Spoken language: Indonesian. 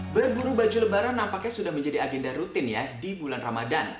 berburu baju lebaran nampaknya sudah menjadi agenda rutin ya di bulan ramadan